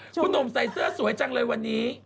คุณหนุ่มใส่เสื้อสวยจังเลยวันนี้